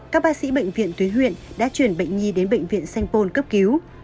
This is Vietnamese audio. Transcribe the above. các bác sĩ bệnh viện tuyến huyện đã chuyển bệnh nhi đến bệnh viện sanh pôn cấp cứu